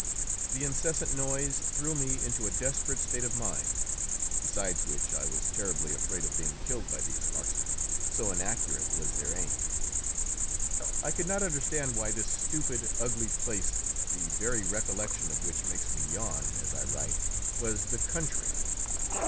The incessant noise threw me into a desperate state of mind, besides which I was terribly afraid of being killed by these marksmen, so inaccurate was their aim. I could not understand why this stupid, ugly place, the very recollection of which makes me yawn as I write, was "the country."